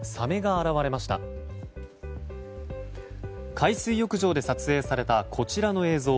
海水浴場で撮影されたこちらの映像。